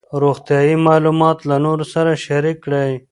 روغتیایي معلومات له نورو سره شریک کړئ.